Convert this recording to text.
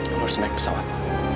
lo harus naik pesawat